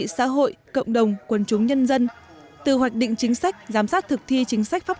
xã hội cộng đồng quân chúng nhân dân từ hoạch định chính sách giám sát thực thi chính sách pháp